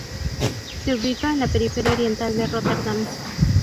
Se ubica en la periferia oriental de Róterdam.